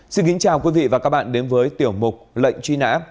xin kính chào quý vị và các bạn đến với tiểu mục lệnh truy nã